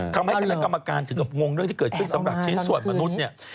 คณะกรรมการถึงกับงงเรื่องที่เกิดขึ้นสำหรับชิ้นส่วนมนุษย์เนี่ย